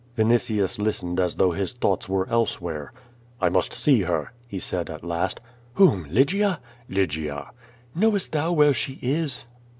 Vinitius listened as though his thoughts were elsewhere. "I must see her," he said at last. "Whom— Lygia?" "Lygia." "Knowest thou where she is?"